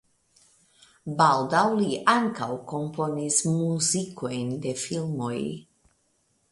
Baldaŭ li ankaŭ komponis muzikojn de filmoj.